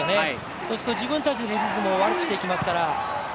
そうすると自分たちのリズムを悪くしていきますから。